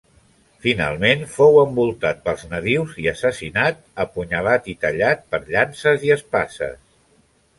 Finalment fou envoltat pels nadius i assassinat, apunyalat i tallat per llances i espases.